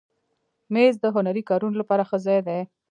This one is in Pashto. مېز د هنري کارونو لپاره ښه ځای دی.